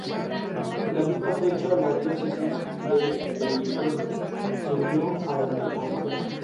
Los trabajadores verdes satisfacen la demanda de desarrollo sostenible.